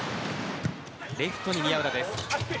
レフトに宮浦です。